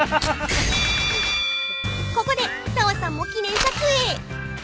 ［ここで砂羽さんも記念撮影］